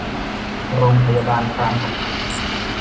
โรงพยาบาลรามคำแหง